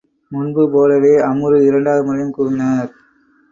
முன்போலவே அம்ரு இரண்டாவது முறையும் கூவினார்.